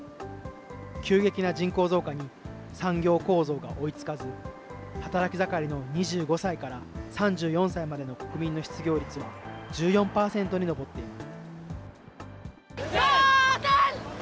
急激な人口増加に産業構造が追いつかず、働き盛りの２５歳から３４歳までの国民の失業率は１４％に上っています。